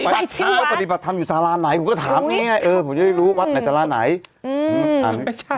เพราะวัดอยู่ไหมเจนน่ะหวัดน่ะ